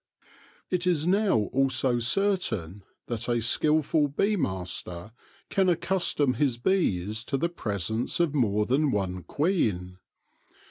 It is now also certain that a skilful bee master can accustom his bees to the presence of more than one queen.